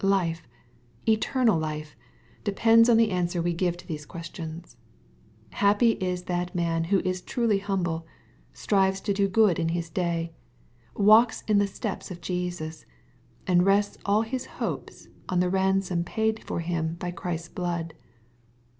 — Life, eternal life, depends on the answer we give to these questions. Happy is that man who is truly humble, strives to do good in his day, walks in the steps of Jesus, and rests all his hopes on the ransom paid for him by Christ's blood.